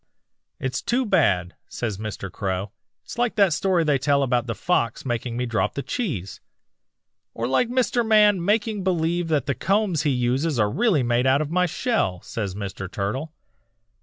"'It's too bad,' says Mr. Crow. 'It's like that story they tell about the fox making me drop the cheese.' "'Or like Mr. Man making believe that the combs he uses are really made out of my shell,' says Mr. Turtle.